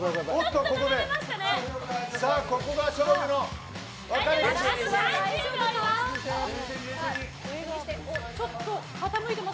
ここが勝負の分かれ道です。